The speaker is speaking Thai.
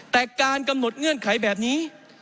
แต่การกำหนดเงื่อนไขแบบนี้